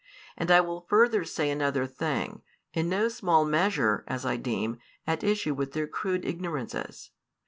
And I will further say another thing, in no small measure (as I deem) at issue with their crude ignorances.